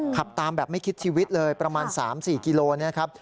ขับตามแบบไม่คิดชีวิตเลยประมาณ๓๔กิโลนะครับ